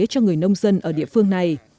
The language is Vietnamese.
cho người nông dân ở địa phương này